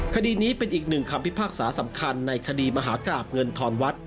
คดีนี้เป็นอีกหนึ่งคำพิพากษาสำคัญในคดีมหากราบเงินทอนวัด